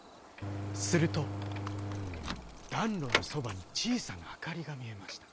するとだんろのそばにちいさなあかりがみえました。